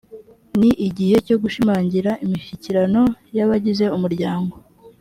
ni igihe cyo gushimangira imishyikirano y abagize umuryango